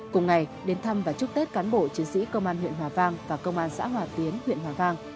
cùng ngày đến thăm và chúc tết cán bộ chiến sĩ công an huyện hòa vang và công an xã hòa tiến huyện hòa vang